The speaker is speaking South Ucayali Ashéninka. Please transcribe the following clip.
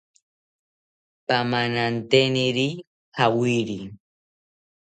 Pamananteniri jawiri